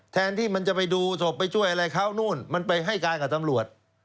แทนที่มันจะไปดูศพไปช่วยอะไรเขานู่นมันไปให้การกับตำรวจ